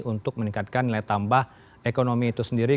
untuk meningkatkan nilai tambah ekonomi itu sendiri